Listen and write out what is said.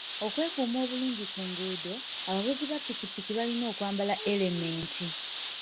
Okwekuuma obulungi ku nguudo, abavuzi ba ppikipiki balina okwambala erementi.